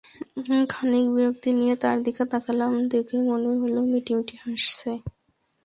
খানিক বিরক্তি নিয়ে তার দিকে তাকালাম, দেখে মনে হলো মিটিমিটি হাসছে।